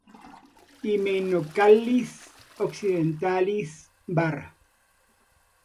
Hymenocallis occidentalis var.